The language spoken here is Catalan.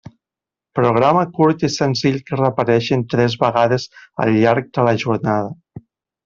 Programa curt i senzill que repeteixen tres vegades al llarg de la jornada.